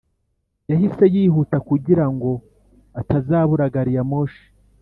yahise yihuta kugira ngo atazabura gari ya moshi.